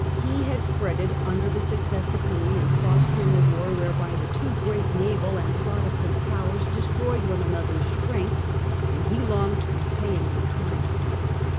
He had fretted under Sept. 1667. t j ie success 0 f L ou j s i n fostering a war whereby the two great naval and Protestant powers destroyed one another's strength, and he longed to repay him in kind.